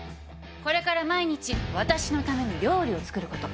これから毎日私のために料理を作ること。